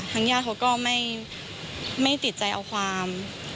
ญาติเขาก็ไม่ติดใจเอาความ